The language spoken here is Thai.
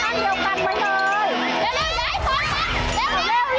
ค่ะอย่าทำเหมือนนาน